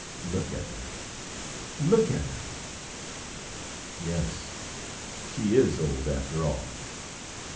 Look at her; look at her; yes, she is old after all!"